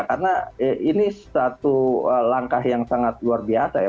karena ini satu langkah yang sangat luar biasa ya